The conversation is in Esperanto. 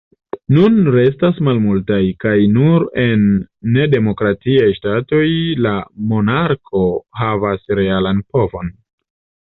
Nun restas malmultaj, kaj nur en nedemokratiaj ŝatoj la monarko havas realan povon.